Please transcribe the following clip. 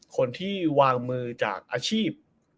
คนที่วางมือจากอาชีพ